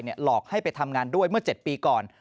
หลอกให้ไปทำงานด้วยเมื่อ๗ปีก่อน